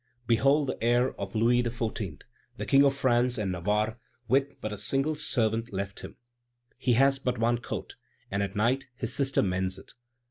Behold the heir of Louis XIV., the King of France and Navarre, with but a single servant left him! He has but one coat, and at night his sister mends it.